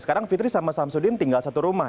sekarang fitri sama samsudin tinggal satu rumah